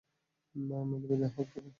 মিলবে দেহ থেকে!